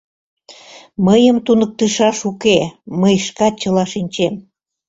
— Мыйым туныктышаш уке: мый шкат чыла шинчем...